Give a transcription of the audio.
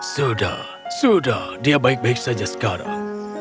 sudah sudah dia baik baik saja sekarang